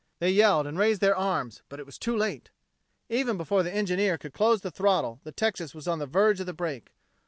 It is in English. They yelled and raised their arms, but it was too late. Even before the engineer could close the throttle the Texas was on the verge of the break.